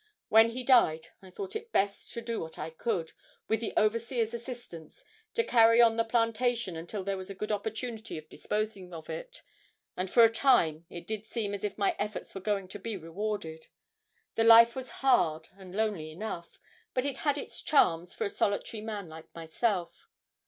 When he died I thought it best to do what I could, with the overseer's assistance, to carry on the plantation until there was a good opportunity of disposing of it, and for a time it did seem as if my efforts were going to be rewarded the life was hard and lonely enough, but it had its charms for a solitary man like myself.